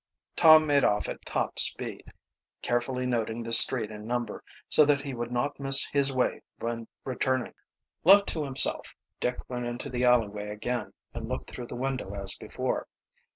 Tom made off at top speed, carefully noting the street and number, so that he would not miss his way when returning. Left to himself Dick went into the alleyway again and looked through the window as before.